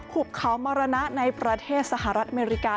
หุบเขามรณะในประเทศสหรัฐอเมริกา